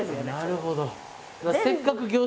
なるほど。